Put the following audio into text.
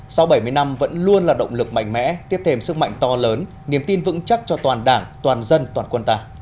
sau bảy mươi năm vẫn luôn là động lực mạnh mẽ tiếp thêm sức mạnh to lớn niềm tin vững chắc cho toàn đảng toàn dân toàn quân ta